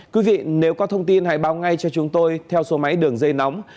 quý vị nếu có thông tin hãy báo ngay cho chúng tôi theo số máy đường dây nóng